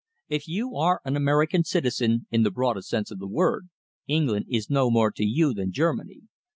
If you are an American citizen in the broadest sense of the word, England is no more to you than Germany.